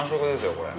これ。